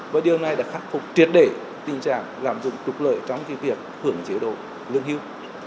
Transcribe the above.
và điều này đã khắc phục triệt để tình trạng lạm dụng trục lợi trong việc hưởng chế độ lương hưu